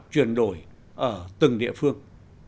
chuyển đổi ở từng địa phương